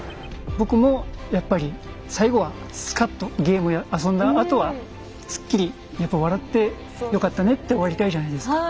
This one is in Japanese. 僕もやっぱり最後はすかっとゲーム遊んだあとはすっきりやっぱ笑って「よかったね」って終わりたいじゃないですか。